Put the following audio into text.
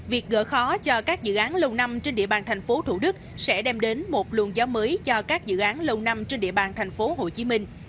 việc gỡ khó cho các dự án lâu năm trên địa bàn thành phố thủ đức sẽ đem đến một luồng gió mới cho các dự án lâu năm trên địa bàn thành phố hồ chí minh